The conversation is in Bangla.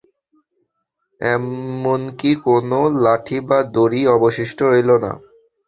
এমনকি কোন লাঠি বা দড়িই অবশিষ্ট রইল না।